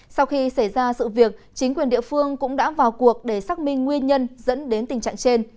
sau khi xảy ra sự việc chính quyền địa phương cũng đã vào cuộc để xác minh nguyên nhân dẫn đến tình trạng trên